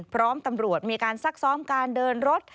พร้อมตำรวจมีการซักซ้อมการเดินรถ